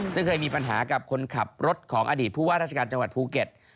ซึ่งเคยมีปัญหากับคนขับรถของอดีตผู้ว่าราชการจังหวัดภูเก็ต